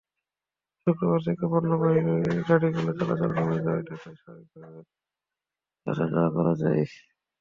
শুক্রবার থেকে পণ্যবাহী গাড়িগুলো চলাচল কমে যাওয়ায় ঢাকায় স্বাভাবিকভাবে আসা-যাওয়া করা যায়।